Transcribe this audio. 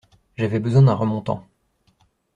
J’avais besoin d’un remontant.